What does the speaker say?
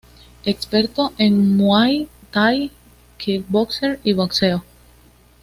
Experto en Muay Thai kickboxer y boxeo.